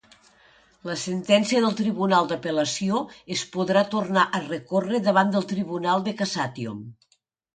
La sentència del tribunal d'apel·lació es podrà tornar a recórrer davant del Tribunal de Cassatiom.